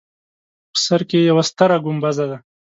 په سر کې یوه ستره ګومبزه ده.